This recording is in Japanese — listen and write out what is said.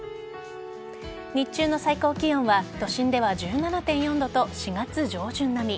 日中の最高気温は都心では１７．４度と４月上旬並み。